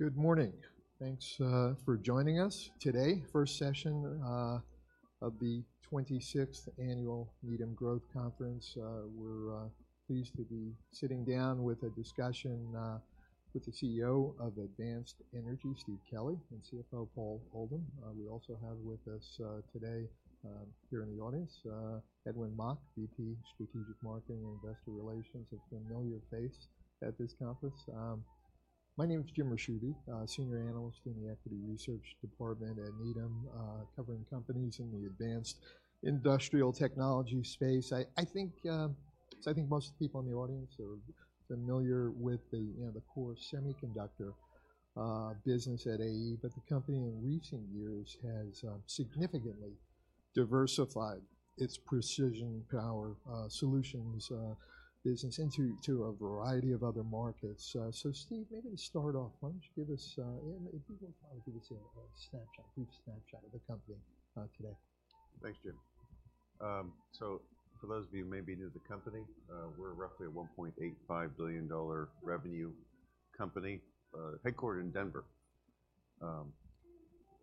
Good morning. Thanks for joining us today. First session of the twenty-sixth Annual Needham Growth Conference. We're pleased to be sitting down with a discussion with the CEO of Advanced Energy, Steve Kelley, and CFO, Paul Oldham. We also have with us today here in the audience Edwin Mok, VP Strategic Marketing and Investor Relations, a familiar face at this conference. My name is Jim Ricchiuti, Senior Analyst in the Equity Research Department at Needham, covering companies in the advanced industrial technology space. So I think most of the people in the audience are familiar with the, you know, the core semiconductor business at AE, but the company in recent years has significantly diversified its precision power solutions business into a variety of other markets. So, Steve, maybe to start off, why don't you give us, and if you will, probably a brief snapshot of the company today. Thanks, Jim. So for those of you who may be new to the company, we're roughly a $1.85 billion revenue company, headquartered in Denver.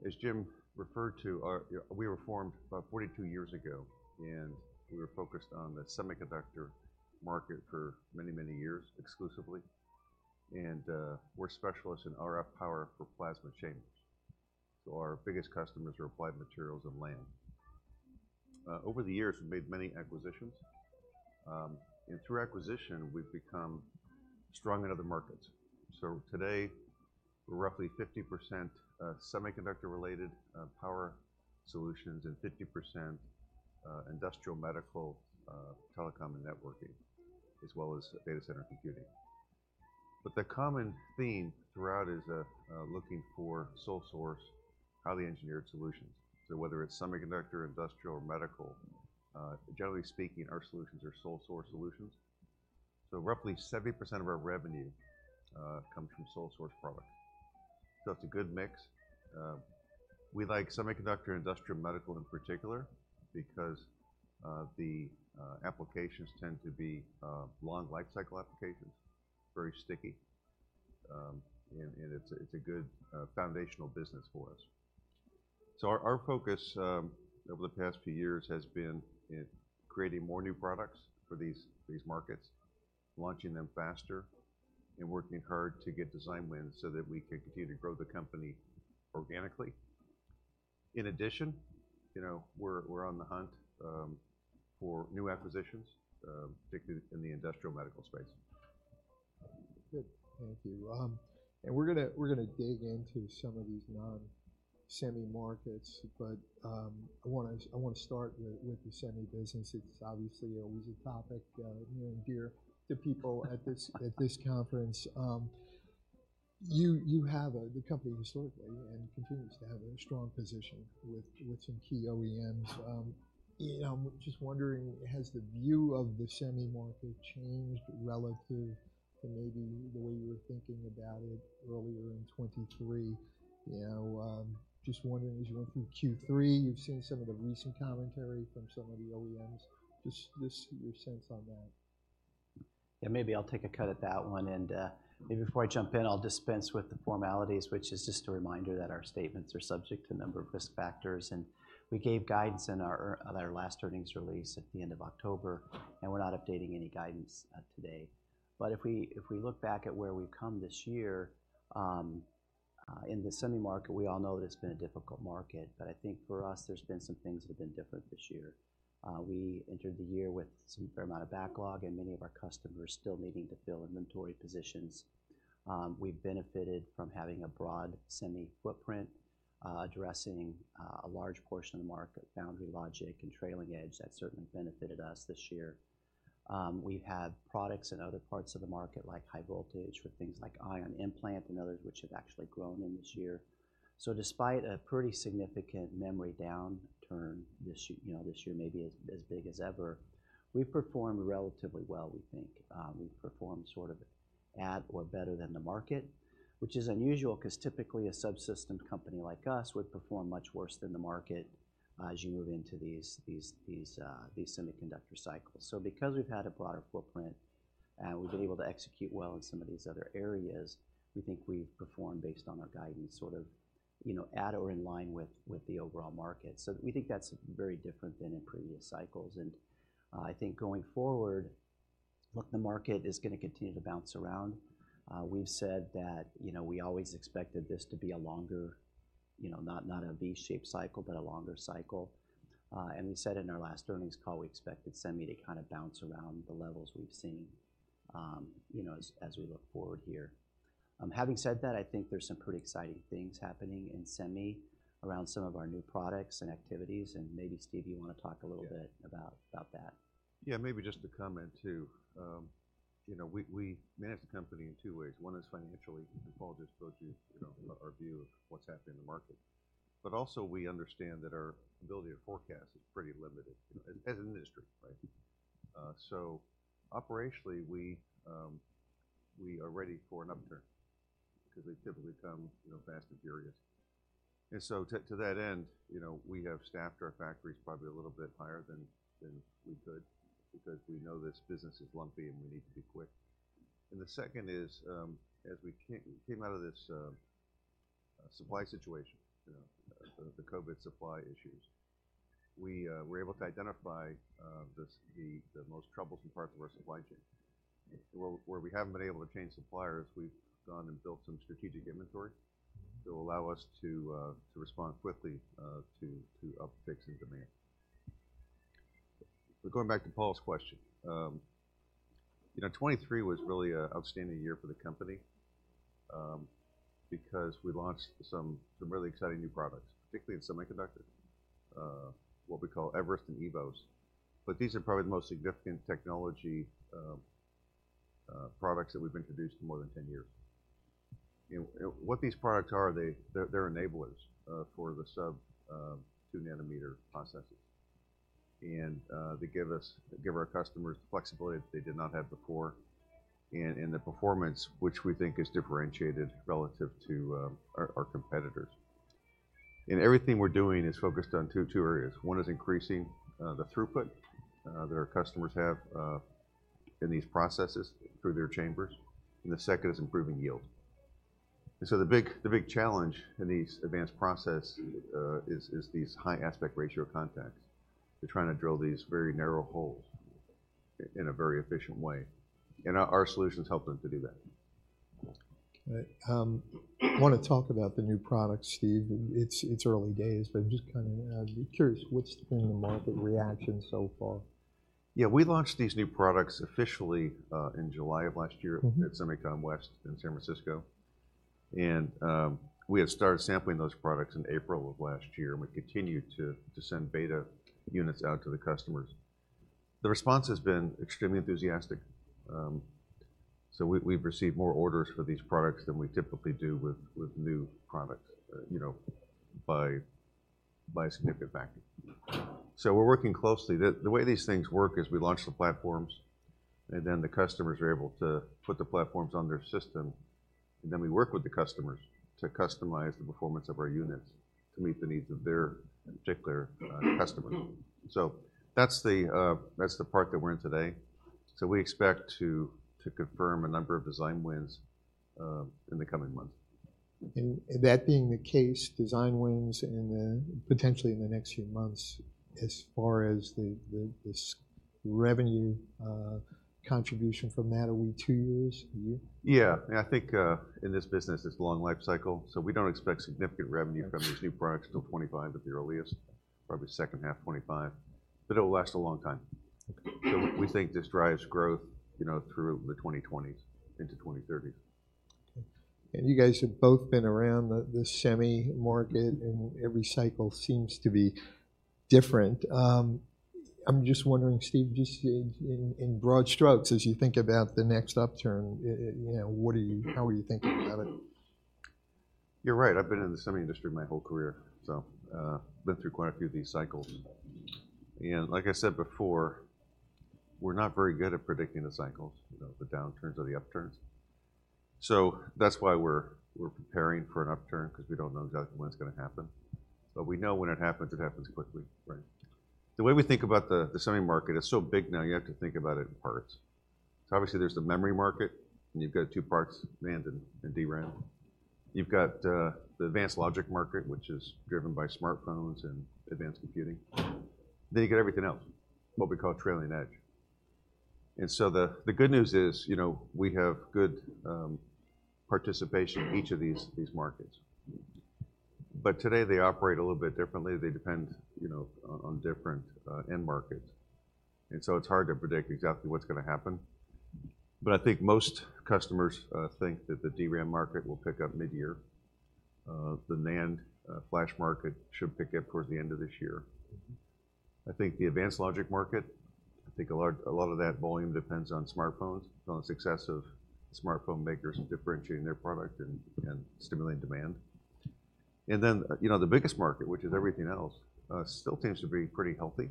As Jim referred to, we were formed about 42 years ago, and we were focused on the semiconductor market for many, many years, exclusively. We're specialists in RF power for plasma chambers. So our biggest customers are Applied Materials and Lam. Over the years, we've made many acquisitions, and through acquisition, we've become strong in other markets. So today, we're roughly 50% semiconductor-related power solutions, and 50% industrial, medical, telecom, and networking, as well as data center computing. But the common theme throughout is looking for sole source, highly engineered solutions. So whether it's semiconductor, industrial, or medical, generally speaking, our solutions are sole source solutions. So roughly 70% of our revenue comes from sole source products. So it's a good mix. We like semiconductor, industrial, and medical in particular because the applications tend to be long lifecycle applications, very sticky, and it's a good foundational business for us. So our focus over the past few years has been in creating more new products for these markets, launching them faster, and working hard to get design wins so that we can continue to grow the company organically. In addition, you know, we're on the hunt for new acquisitions, particularly in the industrial medical space. Good. Thank you. And we're gonna dig into some of these non-semi markets, but I wanna start with the semi business. It's obviously always a topic near and dear to people at this conference. You have a... The company historically and continues to have a strong position with some key OEMs. And I'm just wondering, has the view of the semi market changed relative to maybe the way you were thinking about it earlier in 2023? You know, just wondering, as you went through Q3, you've seen some of the recent commentary from some of the OEMs. Just your sense on that. Yeah, maybe I'll take a cut at that one. And, maybe before I jump in, I'll dispense with the formalities, which is just a reminder that our statements are subject to a number of risk factors, and we gave guidance in our, our last earnings release at the end of October, and we're not updating any guidance, today. But if we, if we look back at where we've come this year, in the semi market, we all know that it's been a difficult market, but I think for us, there's been some things that have been different this year. We entered the year with some fair amount of backlog and many of our customers still needing to fill inventory positions. We've benefited from having a broad semi footprint, addressing, a large portion of the market, foundry logic and trailing edge. That certainly benefited us this year. We've had products in other parts of the market, like high voltage, with things like ion implant and others, which have actually grown this year. So despite a pretty significant memory downturn this year, you know, this year may be as big as ever, we've performed relatively well, we think. We've performed sort of at or better than the market, which is unusual because typically a subsystem company like us would perform much worse than the market as you move into these semiconductor cycles. So because we've had a broader footprint and we've been able to execute well in some of these other areas, we think we've performed based on our guidance, sort of, you know, at or in line with the overall market. So we think that's very different than in previous cycles, and I think going forward, look, the market is gonna continue to bounce around. We've said that, you know, we always expected this to be a longer, you know, not a V-shaped cycle, but a longer cycle. And we said in our last earnings call, we expected semi to kind of bounce around the levels we've seen, you know, as we look forward here. Having said that, I think there's some pretty exciting things happening in semi around some of our new products and activities, and maybe, Steve, you want to talk a little bit- Yeah. about that. Yeah, maybe just to comment too. You know, we manage the company in two ways. One is financially, and Paul just told you, you know, our view of what's happening in the market. But also, we understand that our ability to forecast is pretty limited, as an industry, right? So operationally, we are ready for an upturn because they typically come, you know, fast and furious. And so to that end, you know, we have staffed our factories probably a little bit higher than we could, because we know this business is lumpy, and we need to be quick. And the second is, as we came out of this supply situation, you know, the COVID supply issues, we were able to identify the most troublesome parts of our supply chain. Where we haven't been able to change suppliers, we've gone and built some strategic inventory that will allow us to respond quickly to upticks in demand. But going back to Paul's question, you know, 2023 was really a outstanding year for the company, because we launched some really exciting new products, particularly in semiconductor, what we call eVerest and eVoS. But these are probably the most significant technology products that we've introduced in more than 10 years. And what these products are, they're enablers for the sub-2-nanometer processes, and they give our customers flexibility that they did not have before, and the performance, which we think is differentiated relative to our competitors. And everything we're doing is focused on two areas. One is increasing the throughput that our customers have in these processes through their chambers, and the second is improving yield. And so the big challenge in these advanced process is these high aspect ratio contacts. They're trying to drill these very narrow holes in a very efficient way, and our solutions help them to do that. Okay, I want to talk about the new products, Steve. It's early days, but just kinda curious, what's been the market reaction so far? Yeah, we launched these new products officially in July of last year. Mm-hmm. At SEMICON West in San Francisco, and we had started sampling those products in April of last year, and we continued to send beta units out to the customers. The response has been extremely enthusiastic. So we, we've received more orders for these products than we typically do with new products, you know, by a significant factor. So we're working closely. The way these things work is we launch the platforms, and then the customers are able to put the platforms on their system, and then we work with the customers to customize the performance of our units to meet the needs of their particular customers. So that's the part that we're in today. So we expect to confirm a number of design wins in the coming months. That being the case, design wins in the potentially in the next few months, as far as this revenue contribution from that, are we two years, a year? Yeah, and I think, in this business, it's long lifecycle, so we don't expect significant revenue- Okay... from these new products till 2025 at the earliest, probably second half 2025, but it will last a long time. Okay. So we think this drives growth, you know, through the 2020s into the 2030s. Okay. And you guys have both been around the semi market, and every cycle seems to be different. I'm just wondering, Steve, just in broad strokes, as you think about the next upturn, you know, what are you—how are you thinking about it? You're right. I've been in the semi industry my whole career, so, been through quite a few of these cycles. And like I said before, we're not very good at predicting the cycles, you know, the downturns or the upturns. So that's why we're preparing for an upturn, because we don't know exactly when it's going to happen, but we know when it happens, it happens quickly, right? The way we think about the semi market, it's so big now, you have to think about it in parts. So obviously, there's the memory market, and you've got two parts, NAND and DRAM. You've got the advanced logic market, which is driven by smartphones and advanced computing. Then you get everything else, what we call trailing edge. The good news is, you know, we have good participation in each of these markets. Today, they operate a little bit differently. They depend, you know, on different end markets, and so it's hard to predict exactly what's going to happen. I think most customers think that the DRAM market will pick up mid-year. The NAND flash market should pick up towards the end of this year. Mm-hmm. I think the advanced logic market. I think a lot of that volume depends on smartphones, on the success of smartphone makers differentiating their product and stimulating demand. And then, you know, the biggest market, which is everything else, still seems to be pretty healthy.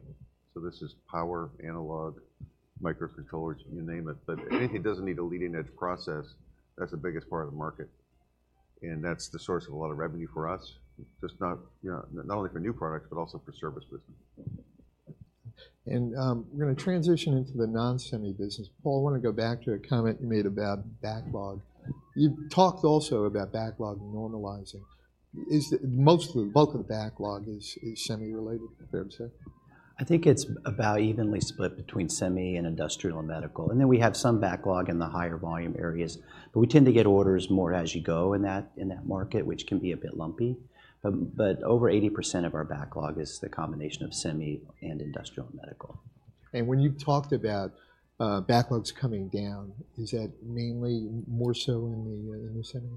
So this is power, analog, microcontrollers, you name it. But anything that doesn't need a leading-edge process, that's the biggest part of the market, and that's the source of a lot of revenue for us. Just not, you know, not only for new products, but also for service business. We're going to transition into the non-semi business. Paul, I want to go back to a comment you made about backlog. You talked also about backlog normalizing. Is most of the bulk of the backlog semi-related, fair to say? I think it's about evenly split between semi and industrial and medical, and then we have some backlog in the higher volume areas, but we tend to get orders more as you go in that, in that market, which can be a bit lumpy. But over 80% of our backlog is the combination of semi and industrial and medical. And when you talked about backlogs coming down, is that mainly more so in the semi?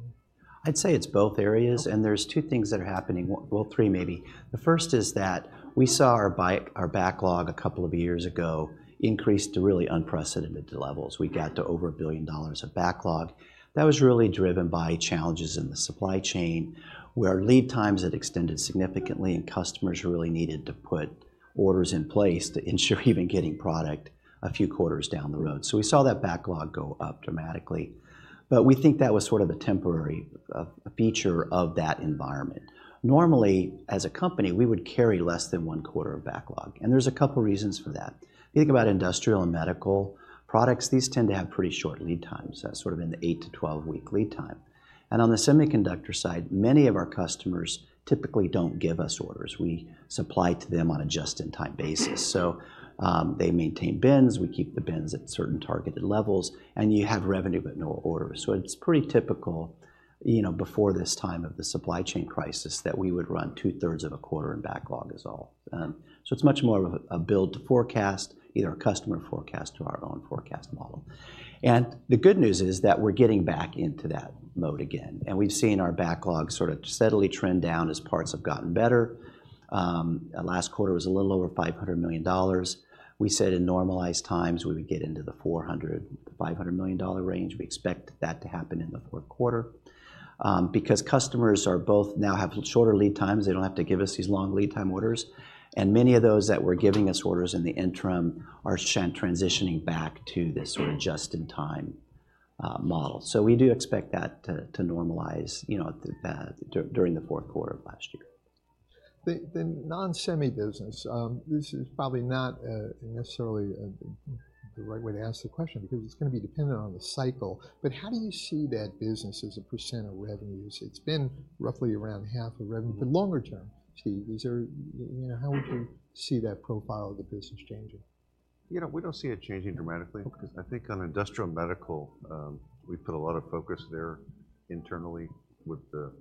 I'd say it's both areas, and there's two things that are happening. Well, three maybe. The first is that we saw our backlog a couple of years ago increase to really unprecedented levels. We got to over $1 billion of backlog. That was really driven by challenges in the supply chain, where our lead times had extended significantly, and customers really needed to put orders in place to ensure even getting product a few quarters down the road. So we saw that backlog go up dramatically, but we think that was sort of a temporary feature of that environment. Normally, as a company, we would carry less than one quarter of backlog, and there's a couple reasons for that. If you think about industrial and medical products, these tend to have pretty short lead times, sort of in the 8-12-week lead time. And on the semiconductor side, many of our customers typically don't give us orders. We supply to them on a just-in-time basis. They maintain bins, we keep the bins at certain targeted levels, and you have revenue but no orders. It's pretty typical, you know, before this time of the supply chain crisis, that we would run two-thirds of a quarter in backlog, is all. It's much more of a build to forecast, either a customer forecast or our own forecast model. And the good news is that we're getting back into that mode again, and we've seen our backlog sort of steadily trend down as parts have gotten better. Last quarter was a little over $500 million. We said in normalized times, we would get into the $400-$500 million dollar range. We expect that to happen in the fourth quarter, because customers are both now have shorter lead times. They don't have to give us these long lead time orders, and many of those that were giving us orders in the interim are transitioning back to this sort of just-in-time model. So we do expect that to normalize, you know, during the fourth quarter of last year. The non-semi business, this is probably not necessarily the right way to ask the question, because it's gonna be dependent on the cycle, but how do you see that business as a percent of revenues? It's been roughly around half of revenue, but longer term, Steve, is there... You know, how would you- Mm-hmm... see that profile of the business changing? You know, we don't see it changing dramatically- Okay... 'cause I think on industrial and medical, we've put a lot of focus there internally with the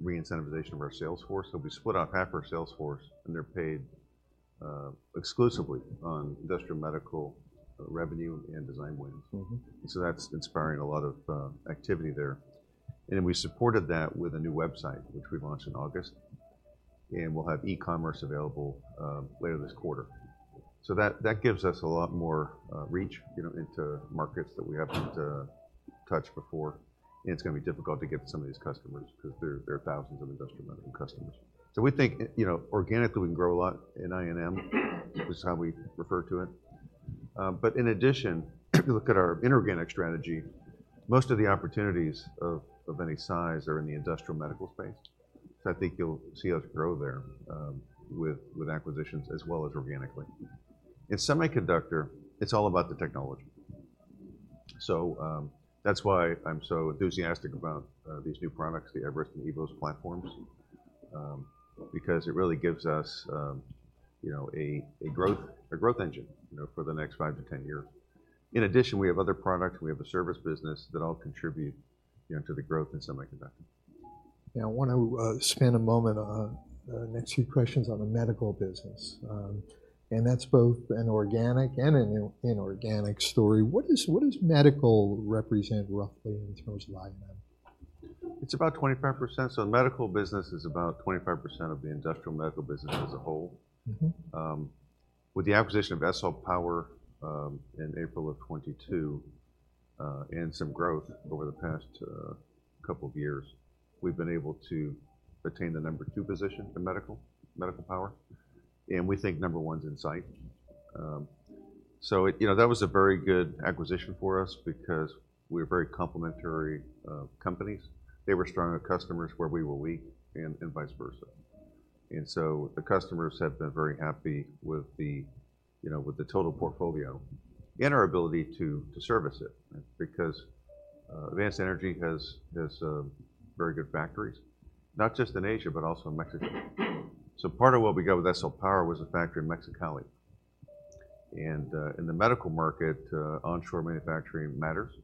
re-incentivization of our sales force. So we split up half our sales force, and they're paid exclusively on industrial and medical revenue and design wins. Mm-hmm. So that's inspiring a lot of activity there. And we supported that with a new website, which we launched in August, and we'll have e-commerce available later this quarter. So that gives us a lot more reach, you know, into markets that we haven't touched before. It's gonna be difficult to get to some of these customers because there are thousands of industrial medical customers. So we think, you know, organically, we can grow a lot in IM, is how we refer to it. But in addition, if you look at our inorganic strategy, most of the opportunities of any size are in the industrial medical space. So I think you'll see us grow there with acquisitions, as well as organically. In semiconductor, it's all about the technology. So, that's why I'm so enthusiastic about these new products, the eVerest and eVoS platforms, because it really gives us, you know, a, a growth, a growth engine, you know, for the next 5-10 years. In addition, we have other products. We have a service business that all contribute, you know, to the growth in semiconductor. Now, I want to spend a moment on the next few questions on the medical business, and that's both an organic and an inorganic story. What does medical represent roughly in terms of size then? It's about 25%. The medical business is about 25% of the industrial medical business as a whole. Mm-hmm. With the acquisition of SL Power, in April 2022, and some growth over the past couple of years, we've been able to retain the number two position in medical, medical power, and we think number one's in sight. So it, you know, that was a very good acquisition for us because we're very complementary companies. They were strong at customers where we were weak and vice versa. And so the customers have been very happy with the, you know, with the total portfolio and our ability to service it, because Advanced Energy has very good factories, not just in Asia, but also in Mexico. So part of what we got with SL Power was a factory in Mexicali, and in the medical market, onshore manufacturing matters.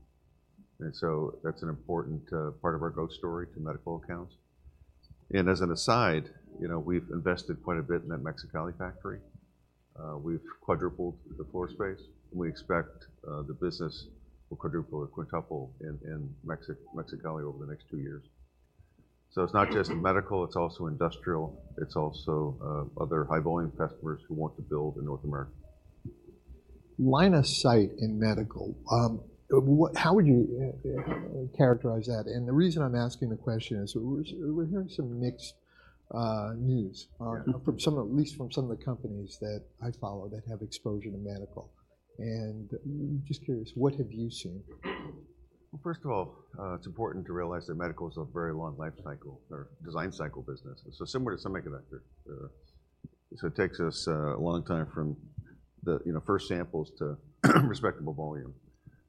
So that's an important part of our growth story to medical accounts. And as an aside, you know, we've invested quite a bit in that Mexicali factory. We've quadrupled the floor space, and we expect the business will quadruple or quintuple in Mexicali over the next two years. So it's not just medical, it's also industrial. It's also other high-volume customers who want to build in North America. Line of sight in medical, how would you characterize that? And the reason I'm asking the question is, we're hearing some mixed news- Yeah... from some, at least from some of the companies that I follow that have exposure to medical. And just curious, what have you seen? Well, first of all, it's important to realize that medical is a very long life cycle or design cycle business, so similar to semiconductor. So it takes us a long time from the, you know, first samples to respectable volume.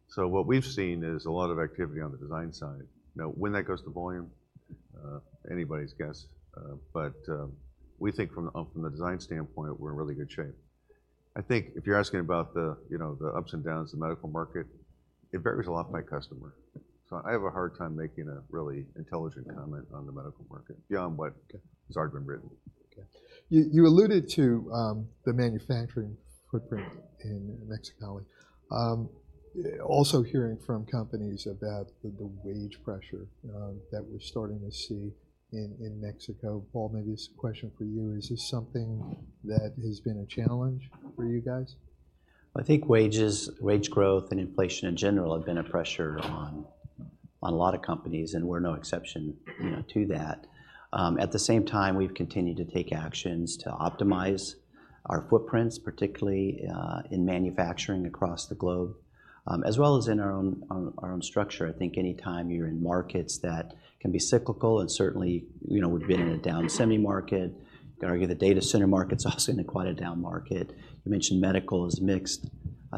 So what we've seen is a lot of activity on the design side. Now, when that goes to volume, anybody's guess, but we think from the design standpoint, we're in really good shape. I think if you're asking about the, you know, the ups and downs of the medical market, it varies a lot by customer. So I have a hard time making a really intelligent comment on the medical market beyond what- Okay... has already been written. Okay. You alluded to the manufacturing footprint in Mexicali. Also hearing from companies about the wage pressure that we're starting to see in Mexico. Paul, maybe this is a question for you. Is this something that has been a challenge for you guys? I think wages, wage growth, and inflation in general have been a pressure on a lot of companies, and we're no exception, you know, to that. At the same time, we've continued to take actions to optimize our footprints, particularly in manufacturing across the globe, as well as in our own structure. I think anytime you're in markets that can be cyclical, and certainly, you know, we've been in a down semi market, you can argue the data center market's also in quite a down market. You mentioned medical is mixed,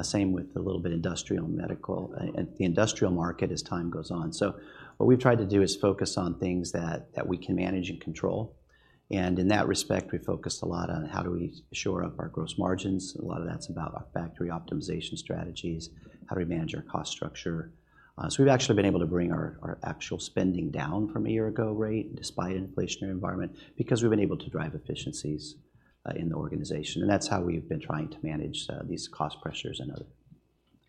same with a little bit industrial and medical, and the industrial market as time goes on. So what we've tried to do is focus on things that we can manage and control, and in that respect, we focused a lot on how do we shore up our gross margins. A lot of that's about our factory optimization strategies, how do we manage our cost structure? So we've actually been able to bring our actual spending down from a year ago rate, despite an inflationary environment, because we've been able to drive efficiencies in the organization, and that's how we've been trying to manage these cost pressures and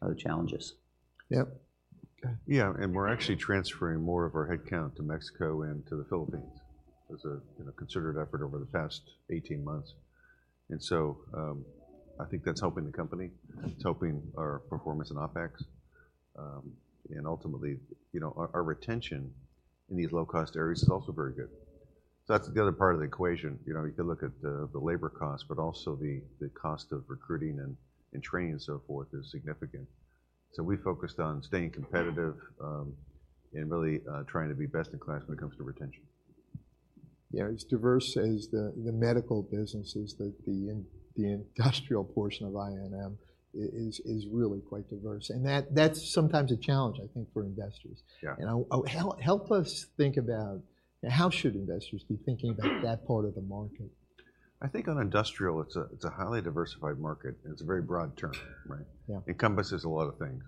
other challenges. Yep. Yeah, and we're actually transferring more of our headcount to Mexico and to the Philippines. There's a, you know, considered effort over the past 18 months, and so, I think that's helping the company. It's helping our performance and OpEx, and ultimately, you know, our retention in these low-cost areas is also very good. So that's the other part of the equation. You know, you could look at the labor cost, but also the cost of recruiting and training and so forth is significant. So we focused on staying competitive, and really trying to be best in class when it comes to retention. Yeah, it's diverse as the medical business is, the industrial portion of I&M is really quite diverse, and that's sometimes a challenge, I think, for investors. Yeah. You know, help us think about how should investors be thinking about that part of the market? I think on industrial, it's a highly diversified market, and it's a very broad term, right? Yeah. Encompasses a lot of things.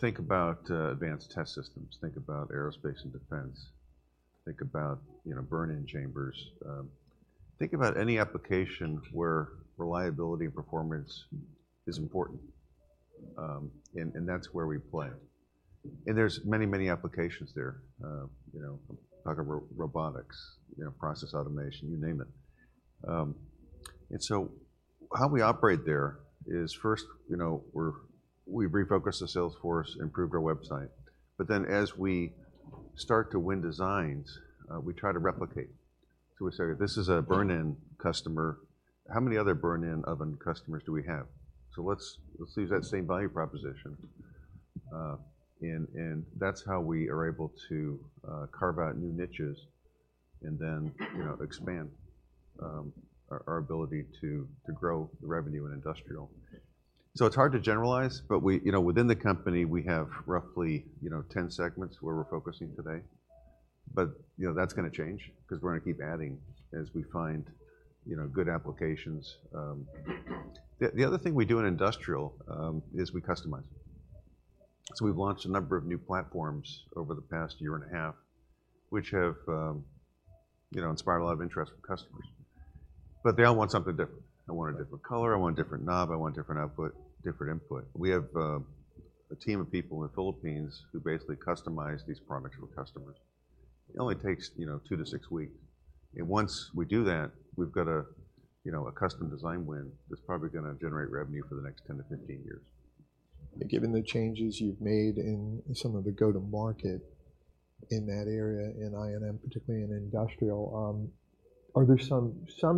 Think about advanced test systems. Think about aerospace and defense. Think about, you know, burn-in chambers. Think about any application where reliability and performance is important, and that's where we play. There's many, many applications there. You know, talk about robotics, you know, process automation, you name it. So how we operate there is first, you know, we refocused the sales force, improved our website, but then as we start to win designs, we try to replicate. So we say, "This is a burn-in customer. How many other burn-in oven customers do we have? So let's use that same value proposition." That's how we are able to carve out new niches and then, you know, expand our ability to grow the revenue in industrial. So it's hard to generalize, but we, you know, within the company, we have roughly, you know, 10 segments where we're focusing today, but, you know, that's gonna change 'cause we're gonna keep adding as we find, you know, good applications. The other thing we do in industrial is we customize. So we've launched a number of new platforms over the past year and a half, which have, you know, inspired a lot of interest from customers, but they all want something different. I want a different color, I want a different knob, I want different output, different input. We have a team of people in the Philippines who basically customize these products for customers. It only takes, you know, 2-6 weeks, and once we do that, we've got a, you know, a custom design win that's probably gonna generate revenue for the next 10-15 years. Given the changes you've made in some of the go-to-market in that area, in INM, particularly in industrial, are there some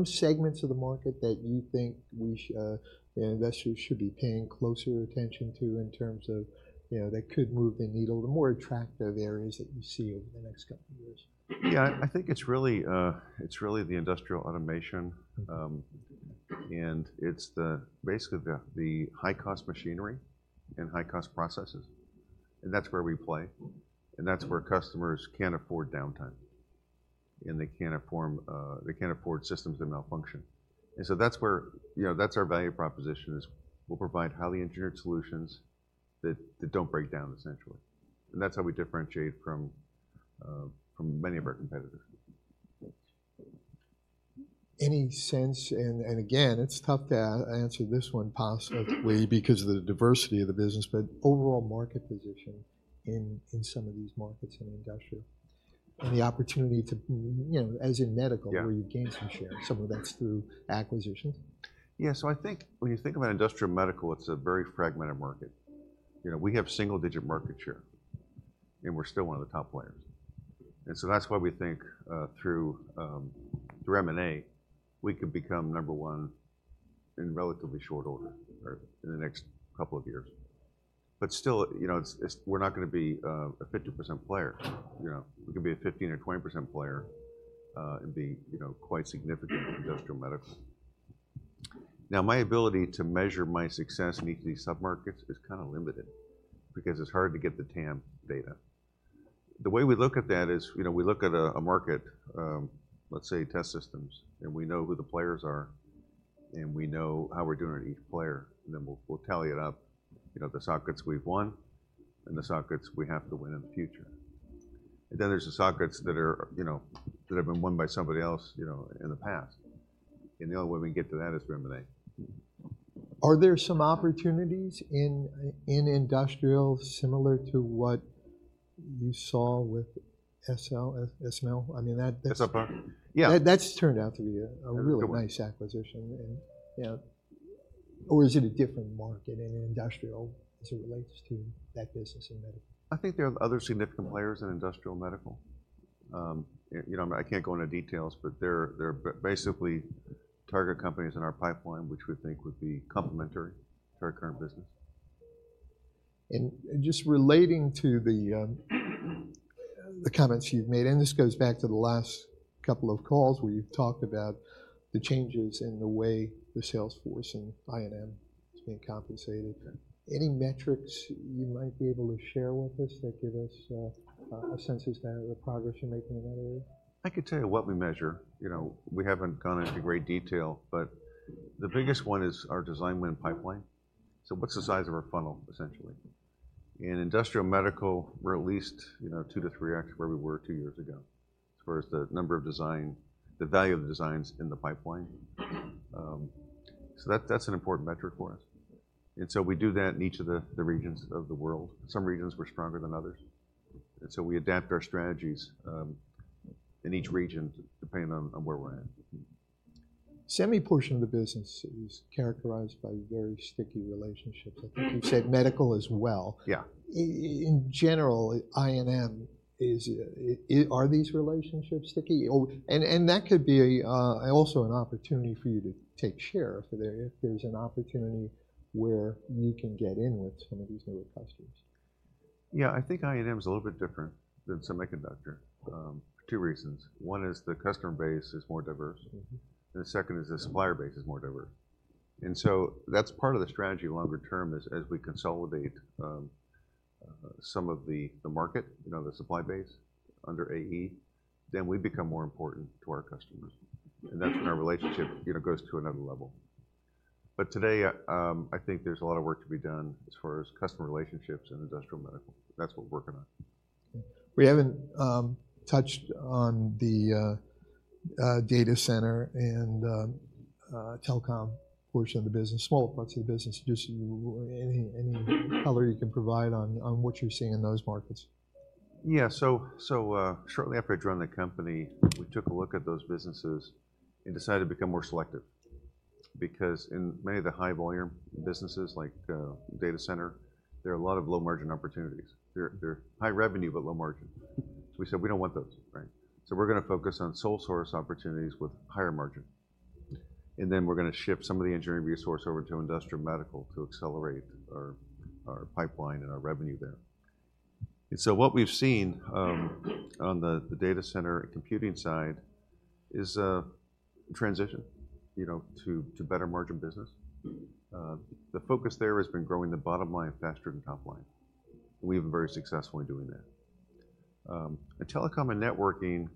segments of the market that you think we should investors should be paying closer attention to in terms of, you know, that could move the needle, the more attractive areas that you see over the next couple of years? Yeah, I think it's really, it's really the industrial automation, and it's basically the, the high-cost machinery and high-cost processes, and that's where we play, and that's where customers can't afford downtime, and they cannot afford, they can't afford systems that malfunction. That's where, you know, that's our value proposition is we'll provide highly engineered solutions that don't break down essentially, and that's how we differentiate from many of our competitors. Any sense, and again, it's tough to answer this one positively because of the diversity of the business, but overall market position in some of these markets in industrial, and the opportunity to, you know, as in medical- Yeah... where you gain some share, some of that's through acquisitions. Yeah, so I think when you think about industrial medical, it's a very fragmented market. You know, we have single-digit market share, and we're still one of the top players. And so that's why we think through M&A, we could become number one in relatively short order, or in the next couple of years. But still, you know, it's, it's-- we're not gonna be a 50% player. You know, we could be a 15% or 20% player, and be, you know, quite significant in industrial medical. Now, my ability to measure my success in each of these submarkets is kind of limited because it's hard to get the TAM data. The way we look at that is, you know, we look at a market, let's say, test systems, and we know who the players are, and we know how we're doing with each player, and then we'll tally it up, you know, the sockets we've won and the sockets we have to win in the future. And then there's the sockets that are, you know, that have been won by somebody else, you know, in the past. And the only way we get to that is through M&A. Are there some opportunities in industrial similar to what you saw with SL, SML? I mean, that- SLI? Yeah. That's turned out to be a really nice acquisition. It was. Yeah. Or is it a different market in industrial as it relates to that business in medical? I think there are other significant players in industrial medical. You know, I can't go into details, but they're basically target companies in our pipeline, which we think would be complementary to our current business. Just relating to the comments you've made, and this goes back to the last couple of calls where you've talked about the changes in the way the sales force and INM is being compensated. Yeah. Any metrics you might be able to share with us that give us a sense as to the progress you're making in that area? I could tell you what we measure. You know, we haven't gone into great detail, but the biggest one is our design win pipeline. So what's the size of our funnel, essentially? In industrial medical, we're at least, you know, 2-3x where we were 2 years ago, as far as the value of the designs in the pipeline. So that's an important metric for us. And so we do that in each of the regions of the world. Some regions we're stronger than others, and so we adapt our strategies in each region, depending on where we're at. Semi portion of the business is characterized by very sticky relationships. Mm-hmm. I think you said medical as well. Yeah. In general, INM is, are these relationships sticky? Or, and, and that could be a also an opportunity for you to take share if there, if there's an opportunity where you can get in with some of these newer customers. Yeah, I think INM is a little bit different than semiconductor, for two reasons. One is the customer base is more diverse. Mm-hmm. The second is the supplier base is more diverse. And so that's part of the strategy longer term is as we consolidate, some of the market, you know, the supply base under AE, then we become more important to our customers, and that's when our relationship, you know, goes to another level. But today, I think there's a lot of work to be done as far as customer relationships and industrial medical. That's what we're working on. We haven't touched on the data center and telecom portion of the business, small parts of the business. Just any color you can provide on what you're seeing in those markets? Yeah, so shortly after I joined the company, we took a look at those businesses and decided to become more selective because in many of the high-volume businesses, like data center, there are a lot of low-margin opportunities. They're high revenue, but low margin. So we said we don't want those, right? So we're gonna focus on sole source opportunities with higher margin, and then we're gonna shift some of the engineering resource over to industrial medical to accelerate our pipeline and our revenue there. And so what we've seen on the data center and computing side is a transition, you know, to better margin business. The focus there has been growing the bottom line faster than top line. We've been very successful in doing that. In telecom and networking,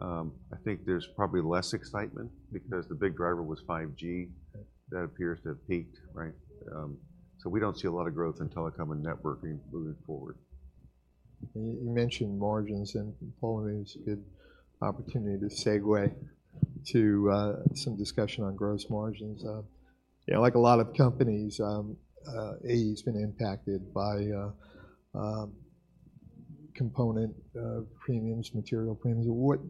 I think there's probably less excitement because the big driver was 5G. That appears to have peaked, right? We don't see a lot of growth in telecom and networking moving forward. You, you mentioned margins, and Paul, maybe it's a good opportunity to segue to some discussion on gross margins. You know, like a lot of companies, AE's been impacted by component premiums, material premiums. What--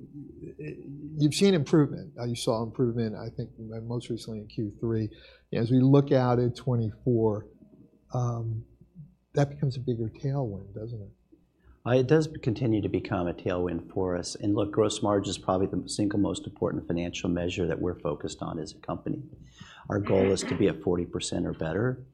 You've seen improvement. You saw improvement, I think, most recently in Q3. As we look out at 2024, that becomes a bigger tailwind, doesn't it? It does continue to become a tailwind for us. And look, gross margin is probably the single most important financial measure that we're focused on as a company. Mm-hmm. Our goal is to be at 40% or better,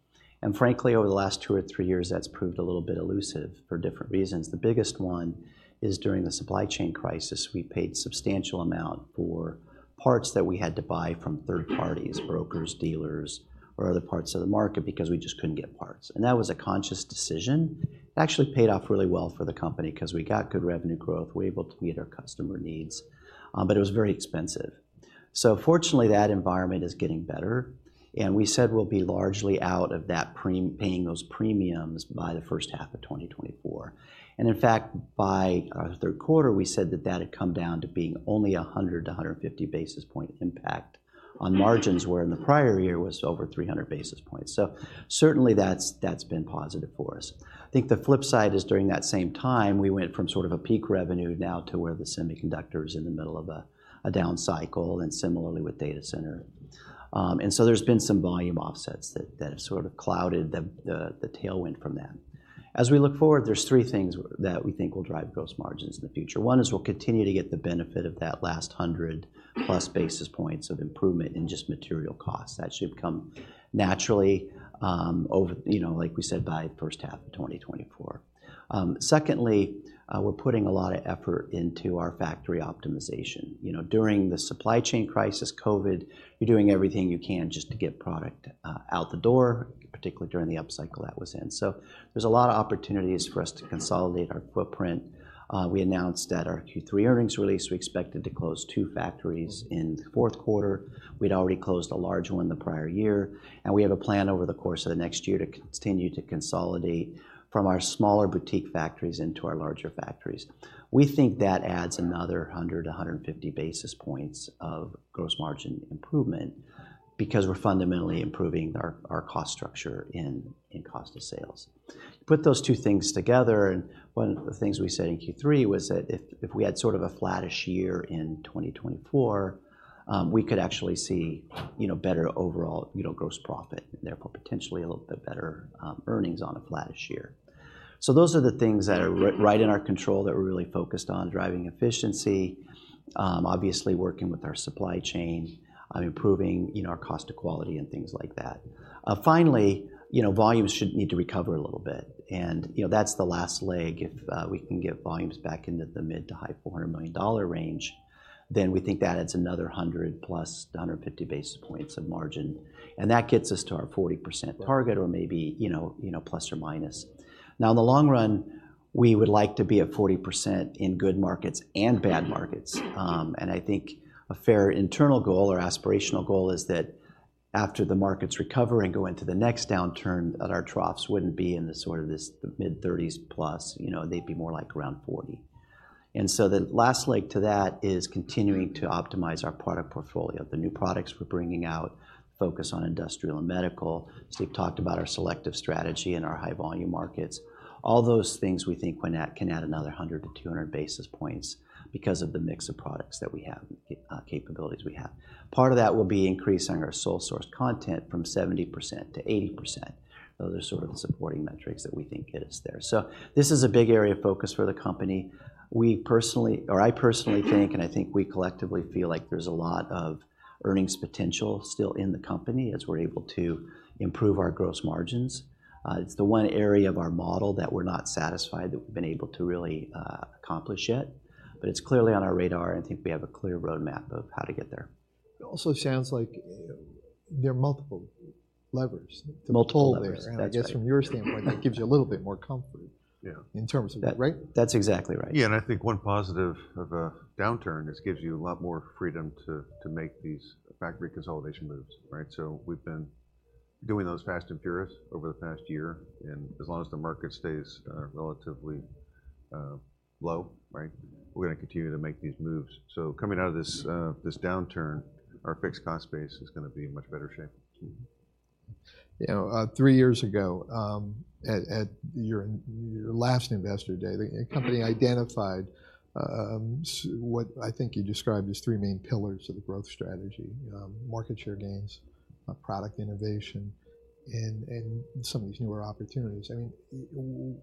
and frankly, over the last two or three years, that's proved a little bit elusive for different reasons. The biggest one is during the supply chain crisis, we paid substantial amount for parts that we had to buy from third parties, brokers, dealers, or other parts of the market because we just couldn't get parts. And that was a conscious decision. It actually paid off really well for the company 'cause we got good revenue growth, we were able to meet our customer needs, but it was very expensive. So fortunately, that environment is getting better, and we said we'll be largely out of that paying those premiums by the first half of 2024. In fact, by our third quarter, we said that that had come down to being only 100 to 150 basis point impact on margins, where in the prior year, it was over 300 basis points. So certainly, that's, that's been positive for us. I think the flip side is, during that same time, we went from sort of a peak revenue now to where the semiconductor is in the middle of a, a down cycle and similarly with data center. And so there's been some volume offsets that have sort of clouded the tailwind from that. As we look forward, there are three things that we think will drive gross margins in the future. One is we'll continue to get the benefit of that last 100+ basis points of improvement in just material costs. That should come naturally, over, you know, like we said, by the first half of 2024. Secondly, we're putting a lot of effort into our factory optimization. You know, during the supply chain crisis, COVID, you're doing everything you can just to get product out the door, particularly during the upcycle that was in. So there's a lot of opportunities for us to consolidate our footprint. We announced at our Q3 earnings release, we expected to close two factories in the fourth quarter. We'd already closed a large one the prior year, and we have a plan over the course of the next year to continue to consolidate from our smaller boutique factories into our larger factories. We think that adds another 100 to 150 basis points of gross margin improvement. because we're fundamentally improving our cost structure in cost of sales. Put those two things together, and one of the things we said in Q3 was that if we had sort of a flattish year in 2024, we could actually see, you know, better overall, you know, gross profit and therefore potentially a little bit better earnings on a flattish year. So those are the things that are right in our control that we're really focused on: driving efficiency, obviously working with our supply chain, improving, you know, our cost of quality and things like that. Finally, you know, volumes should need to recover a little bit, and, you know, that's the last leg. If we can get volumes back into the mid- to high-$400 million range, then we think that adds another 100+ to 150 basis points of margin, and that gets us to our 40% target, or maybe, you know, you know, ±. Now, in the long run, we would like to be at 40% in good markets and bad markets. And I think a fair internal goal or aspirational goal is that after the markets recover and go into the next downturn, that our troughs wouldn't be in the sort of this, the mid-30s+. You know, they'd be more like around 40. And so the last leg to that is continuing to optimize our product portfolio. The new products we're bringing out focus on industrial and medical. Steve talked about our selective strategy in our high-volume markets. All those things we think can add another 100-200 basis points because of the mix of products that we have, capabilities we have. Part of that will be increasing our sole source content from 70% to 80%. Those are sort of the supporting metrics that we think get us there. So this is a big area of focus for the company. We personally, or I personally think, and I think we collectively feel like there's a lot of earnings potential still in the company as we're able to improve our gross margins. It's the one area of our model that we're not satisfied that we've been able to really accomplish yet, but it's clearly on our radar, and I think we have a clear roadmap of how to get there. It also sounds like there are multiple levers- Multiple levers. To pull there. That's right. I guess from your standpoint, that gives you a little bit more comfort- Yeah. In terms of that, right? That's exactly right. Yeah, and I think one positive of a downturn is it gives you a lot more freedom to make these factory consolidation moves, right? So we've been doing those fast and furious over the past year, and as long as the market stays relatively low, right, we're gonna continue to make these moves. So coming out of this downturn, our fixed cost base is gonna be in much better shape. You know, three years ago, at your last Investor Day, the company identified what I think you described as three main pillars of the growth strategy: market share gains, product innovation, and some of these newer opportunities. I mean,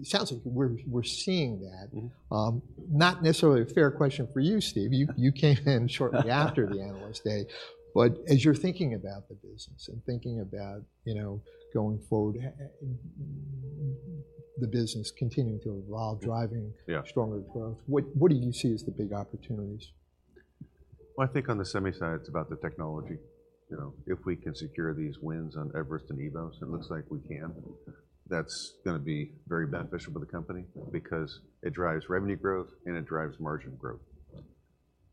it sounds like we're seeing that. Mm-hmm. Not necessarily a fair question for you, Steve. You came in shortly after the Analyst Day. But as you're thinking about the business and thinking about, you know, going forward, the business continuing to evolve, driving- Yeah... stronger growth, what, what do you see as the big opportunities? Well, I think on the semi side, it's about the technology. You know, if we can secure these wins on eVerest and eVoS, it looks like we can. That's gonna be very beneficial to the company because it drives revenue growth, and it drives margin growth.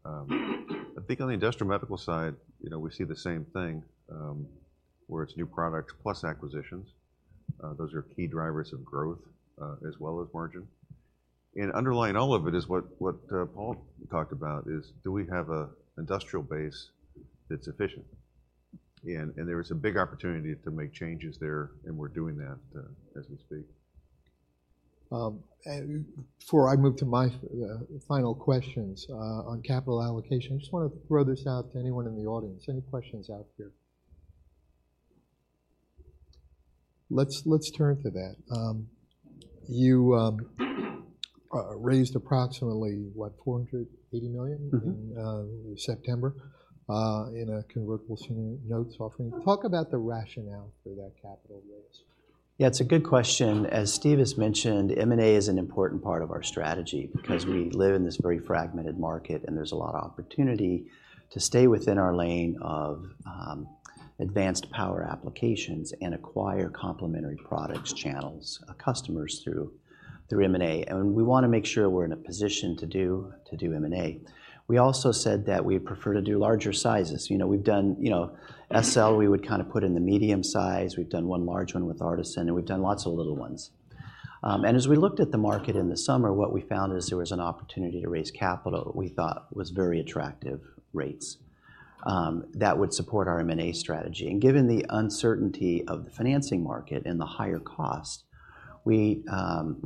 I think on the industrial medical side, you know, we see the same thing, where it's new products plus acquisitions. Those are key drivers of growth, as well as margin. And underlying all of it is what Paul talked about, is do we have an industrial base that's efficient? And there is a big opportunity to make changes there, and we're doing that, as we speak. Before I move to my final questions on capital allocation, I just wanna throw this out to anyone in the audience. Any questions out there? Let's turn to that. You raised approximately, what? $480 million- Mm-hmm... September, in a convertible senior notes offering. Talk about the rationale for that capital raise. Yeah, it's a good question. As Steve has mentioned, M&A is an important part of our strategy because we live in this very fragmented market, and there's a lot of opportunity to stay within our lane of advanced power applications and acquire complementary products, channels, customers through M&A, and we wanna make sure we're in a position to do M&A. We also said that we prefer to do larger sizes. You know, we've done... You know, SL, we would kind of put in the medium size. We've done one large one with Artesyn, and we've done lots of little ones. And as we looked at the market in the summer, what we found is there was an opportunity to raise capital that we thought was very attractive rates that would support our M&A strategy. Given the uncertainty of the financing market and the higher cost, we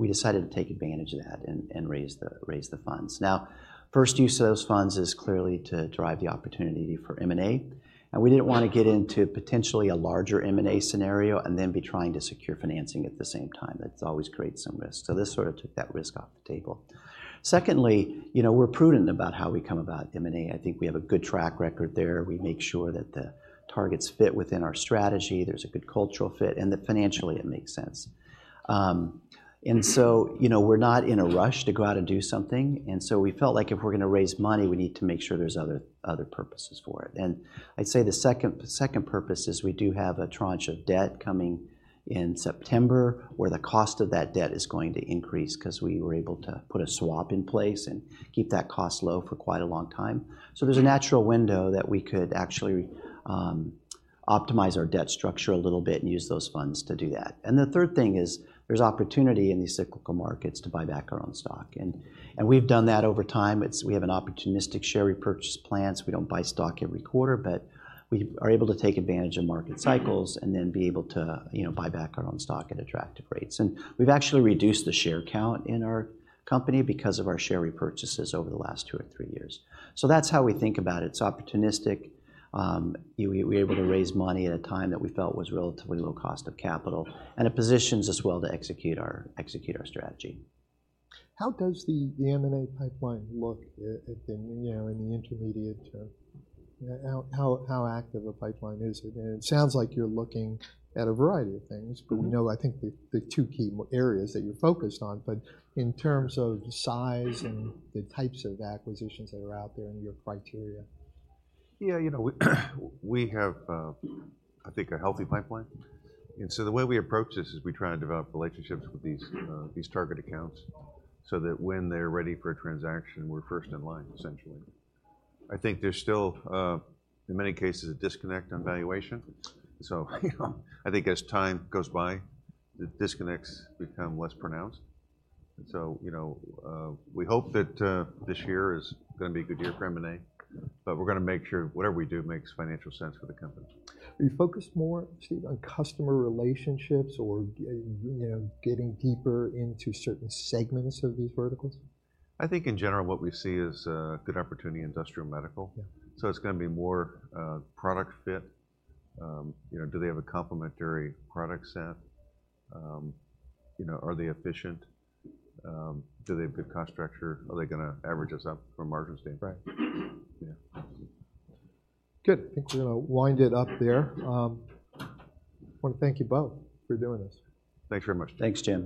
decided to take advantage of that and raise the funds. Now, first use of those funds is clearly to drive the opportunity for M&A, and we didn't want to get into potentially a larger M&A scenario and then be trying to secure financing at the same time. That always creates some risk. This sort of took that risk off the table. Secondly, you know, we're prudent about how we come about M&A. I think we have a good track record there. We make sure that the targets fit within our strategy, there's a good cultural fit, and that financially, it makes sense. And so, you know, we're not in a rush to go out and do something, and so we felt like if we're gonna raise money, we need to make sure there's other, other purposes for it. And I'd say the second, second purpose is we do have a tranche of debt coming in September, where the cost of that debt is going to increase 'cause we were able to put a swap in place and keep that cost low for quite a long time. So there's a natural window that we could actually optimize our debt structure a little bit and use those funds to do that. And the third thing is, there's opportunity in these cyclical markets to buy back our own stock, and, and we've done that over time. We have an opportunistic share repurchase plan, so we don't buy stock every quarter, but we are able to take advantage of market cycles- Mm-hmm. and then be able to, you know, buy back our own stock at attractive rates. And we've actually reduced the share count in our company because of our share repurchases over the last two or three years. So that's how we think about it. It's opportunistic, we, we're able to raise money at a time that we felt was relatively low cost of capital, and it positions us well to execute our, execute our strategy. How does the M&A pipeline look in the intermediate term, you know? How active a pipeline is it? And it sounds like you're looking at a variety of things- Mm-hmm. but we know, I think, the two key areas that you're focused on, but in terms of the size and the types of acquisitions that are out there and your criteria? Yeah, you know, we have, I think, a healthy pipeline. So the way we approach this is we try and develop relationships with these target accounts, so that when they're ready for a transaction, we're first in line, essentially. I think there's still, in many cases, a disconnect on valuation. So, you know, I think as time goes by, the disconnects become less pronounced. So, you know, we hope that this year is gonna be a good year for M&A, but we're gonna make sure whatever we do makes financial sense for the company. Are you focused more, Steve, on customer relationships or you know, getting deeper into certain segments of these verticals? I think in general, what we see is, good opportunity in industrial medical. Yeah. So it's gonna be more, product fit. You know, do they have a complementary product set? You know, are they efficient? Do they have good cost structure? Are they gonna average us up from a margin standpoint? Right. Yeah. Good. I think we're gonna wind it up there. I wanna thank you both for doing this. Thanks very much. Thanks, Jim.